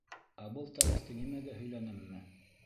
Ә был тарихты нимәгә һөйләнемме?